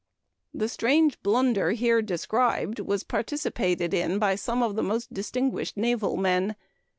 The strange blunder here described was participated in by some of the most distinguished naval men.